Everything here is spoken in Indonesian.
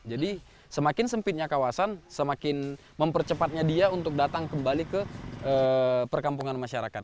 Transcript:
jadi semakin sempitnya kawasan semakin mempercepatnya dia untuk datang kembali ke perkampungan masyarakat